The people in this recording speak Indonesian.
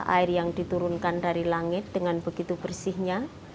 air yang diturunkan dari langit dengan begitu bersihnya